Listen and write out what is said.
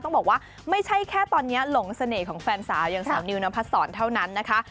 ต้องบอกว่าไม่ใช่แค่ตอนนี้หลงเสน่ห์ของแฟนสาวอย่างสาวนิวนพัดสอนเท่านั้นนะคะ